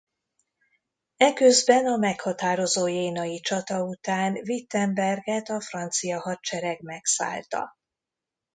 Eközben a meghatározó jénai csata után Wittenberget a francia hadsereg megszállta.